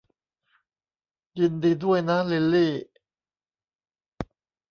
ยินดีด้วยนะลิลลี่